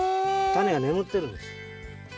タネが眠ってるんです。